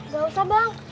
gak usah bang